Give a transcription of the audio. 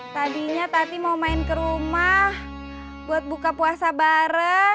tadinya tati mau main ke rumah buat buka puasa bareng